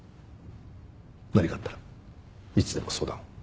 何かあったらいつでも相談を。